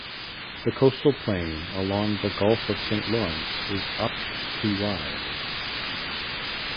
The coastal plain along the Gulf of Saint Lawrence is up to wide.